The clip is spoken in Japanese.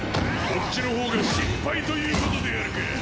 こっちのほうが心配ということであるか。